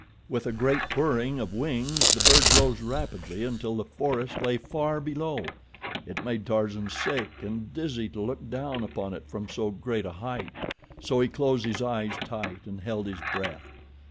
With a great whirring of wings the bird rose rapidly until the forest lay far below. It made Tarzan sick and dizzy to look down upon it from so great a height, so he closed his eyes tight and held his breath.